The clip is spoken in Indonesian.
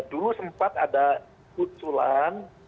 dulu sempat ada kuculan